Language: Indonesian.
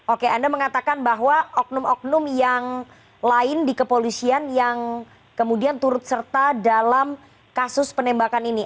oke anda mengatakan bahwa oknum oknum yang lain di kepolisian yang kemudian turut serta dalam kasus penembakan ini